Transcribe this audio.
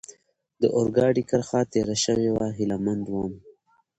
د اورګاډي کرښه تېره شوې وه، هیله مند ووم.